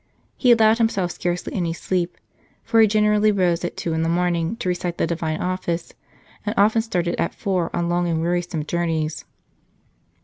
He allowed himself scarcely any sleep, for he generally rose at two in the morning to recite the Divine Office, and often started at four on long and wearisome journeys.